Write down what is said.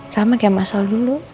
sama kayak mas al dulu